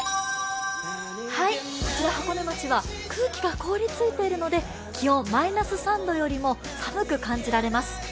こちら箱根町は空気が凍りついているので気温マイナス３度よりも寒く感じられます。